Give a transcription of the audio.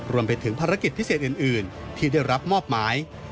รวมไปถึงภารกิจพิเศษอื่นที่ได้รับมอบหมาย